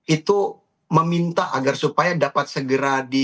itu meminta agar supaya dapat segera di apa namanya dirilis